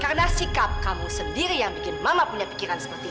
karena sikap kamu sendiri yang bikin mama punya pikiran seperti itu